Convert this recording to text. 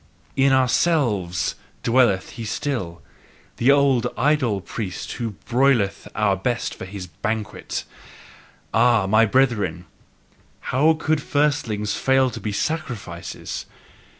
IN OURSELVES dwelleth he still, the old idol priest, who broileth our best for his banquet. Ah, my brethren, how could firstlings fail to be sacrifices!